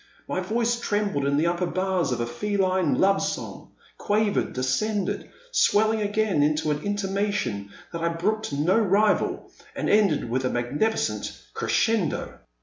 My voice trembled in the upper bars of a feline love song, quavered, de scended, swelling again into an intimation that I brooked no rival, and ended with a magnificent crescendo.